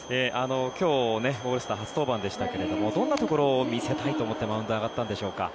今日オールスター初登板でしたがどんなところを見せたいと思ってマウンドに上がったんでしょうか。